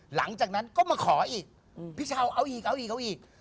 หลังจากนั้นก็มาขออีกพี่เช้าเอาอีกเอาอีกเอาอีก